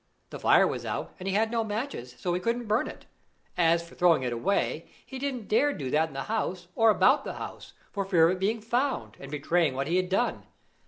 The fire was out, and he had no matches; so he couldn't burn it. As for throwing it away, he didn't dare do that in the house or about the house, for fear of its being found, and betraying what he had done.